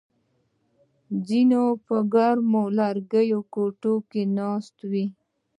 ځینې په ګرمو لرګیو کوټو کې ناست وي